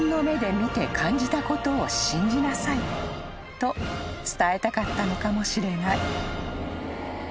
［と伝えたかったのかもしれない］